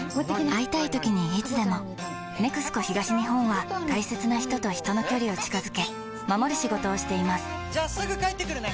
会いたいときにいつでも「ＮＥＸＣＯ東日本」は大切な人と人の距離を近づけ守る仕事をしていますじゃあすぐ帰ってくるね！